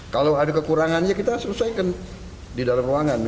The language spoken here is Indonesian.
kalau ada kekurangannya kita selesaikan di dalam ruangan